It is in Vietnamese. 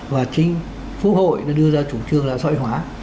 và chính phú hội đã đưa ra chủ trương là sợi hóa